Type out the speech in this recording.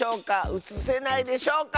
うつせないでしょうか？